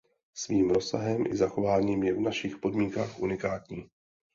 Svým rozsahem i zachováním je v našich podmínkách unikátní.